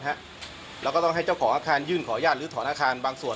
แล้วก็ต้องให้เจ้าของอาคารยื่นขออนุญาตหรือถอนอาคารบางส่วน